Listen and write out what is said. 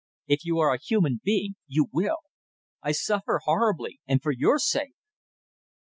If you are a human being you will. I suffer horribly and for your sake."